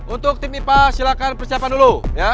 untuk tim ipa silakan persiapan dulu